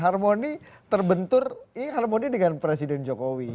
harmoni terbentur ini harmoni dengan presiden jokowi